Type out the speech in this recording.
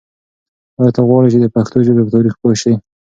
آیا ته غواړې چې د پښتو ژبې په تاریخ پوه شې؟